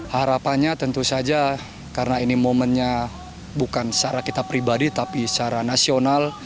harapannya tentu saja karena ini momennya bukan secara kita pribadi tapi secara nasional